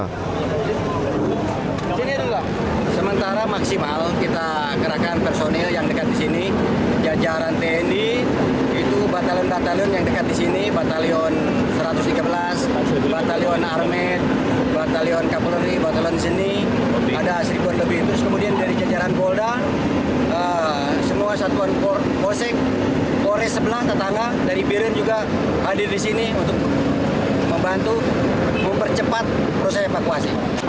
hadir di sini untuk membantu mempercepat proses evakuasi